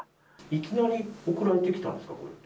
いきなり送られてきたんですか？